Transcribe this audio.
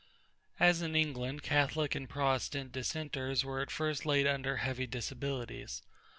As in England, Catholics and Protestant Dissenters were at first laid under heavy disabilities.